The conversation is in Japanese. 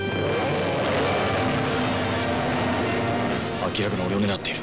明らかに俺を狙っている。